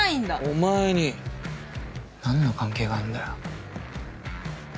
お前に何の関係があんだよ。